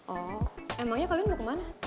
oh emangnya kalian udah kemana